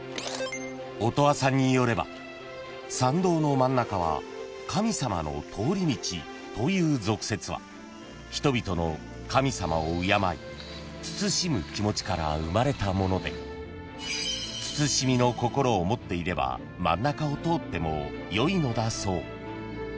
［音羽さんによれば参道の真ん中は神様の通り道という俗説は人々の神様を敬い慎む気持ちから生まれたもので慎みの心を持っていれば真ん中を通ってもよいのだそう］